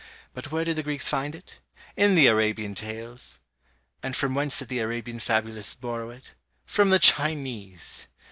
But where did the Greeks find it? In the Arabian Tales! And from whence did the Arabian fabulists borrow it? From the Chinese!